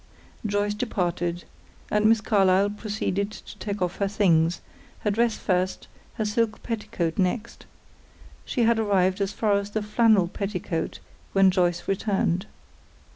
Joyce departed, and Miss Carlyle proceeded to take off her things; her dress first, her silk petticoat next. She had arrived as far as the flannel petticoat when Joyce returned.